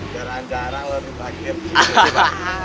jarang jarang lebih panggil